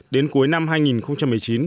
đến cuối năm hai nghìn một mươi chín